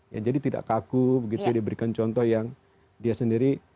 ya jadi tidak kaku begitu diberikan contoh yang dia sendiri